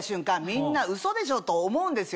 みんなうそでしょ？と思うんですよ。